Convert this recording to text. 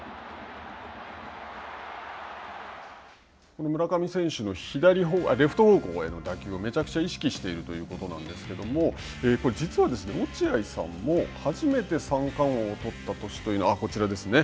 この村上選手のレフト方向への打球をめちゃくちゃ意識しているということなんですけども実は落合さんも初めて三冠王を取った年というのは、こちらですね